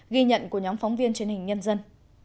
ghi nhận của nhóm phóng viên truyền hình nhân dân